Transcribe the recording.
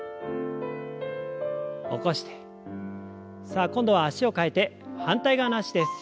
さあ今度は脚を替えて反対側の脚です。